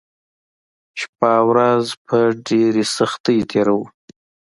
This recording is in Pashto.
شپه او ورځ په ډېره سختۍ تېروو